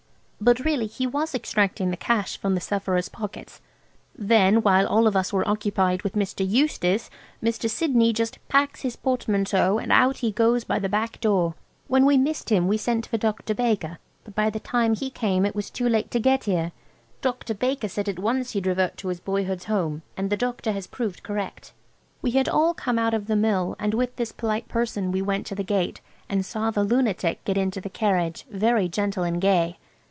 But really he was extracting the cash from the sufferer's pockets. Then while all of us were occupied with Mr. Eustace, Mr. Sidney just packs his portmanteau and out he goes by the back door. When we missed him we sent for Dr. Baker, but by the time he came it was too late to get here. Dr. Baker said at once he'd revert to his boyhood's home. And the doctor has proved correct." We had all come out of the Mill, and with this polite person we went to the gate, and saw the lunatic get into the carriage, very gentle and gay.